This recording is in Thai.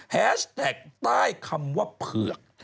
แฮชแท็กใต้คำว่าเผือก